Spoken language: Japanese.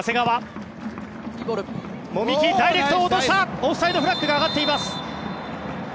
オフサイドフラッグが上がっています。